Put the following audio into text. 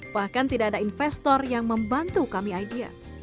bahkan tidak ada investor yang membantu kami idea